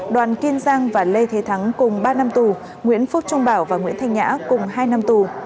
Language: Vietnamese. đoàn kiên giang và lê thế thắng cùng ba năm tù nguyễn phúc trung bảo và nguyễn thanh nhã cùng hai năm tù